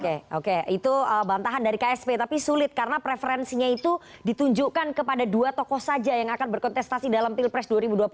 oke oke itu bantahan dari ksp tapi sulit karena preferensinya itu ditunjukkan kepada dua tokoh saja yang akan berkontestasi dalam pilpres dua ribu dua puluh empat